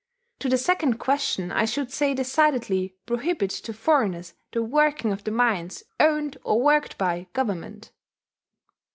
To the second question I should say decidedly prohibit to foreigners the working of the mines owned or worked by Government.